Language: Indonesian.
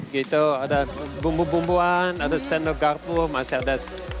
gitu ada bumbu bumbuan ada sendok garpu masih ada